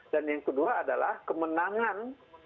yang kedua adalah kemenangan